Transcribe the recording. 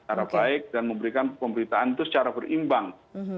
secara baik dan memberikan pemberitaan itu secara berimbang